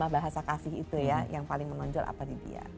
bahasa kasih itu ya yang paling menonjol apa di dia